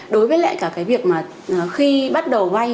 đối với lại cả cái việc mà khi bắt đầu vay